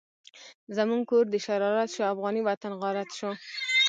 زمونږ کور دشرارت شو، افغانی وطن غارت شو